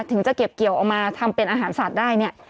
ถึงจะเก็บเกี่ยวเอามาทำเป็นอาหารสัตว์ได้เนี่ย